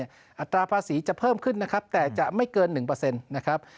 อัตราภาษีจะเพิ่มขึ้นนะครับแต่จะไม่เกิน๑นะครับ